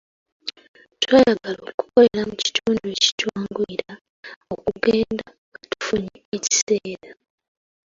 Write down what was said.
Twayagala okukolera mu kitundu ekitwanguyira okugenda nga tufunye ekiseera.